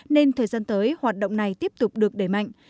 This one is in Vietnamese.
nên thời gian tới hoạt động này tiếp tục được đẩy mạnh